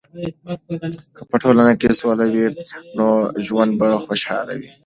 که په ټولنه کې سوله وي، نو ژوند به خوشحاله وي.